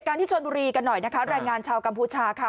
ที่ชนบุรีกันหน่อยนะคะแรงงานชาวกัมพูชาค่ะ